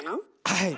はい。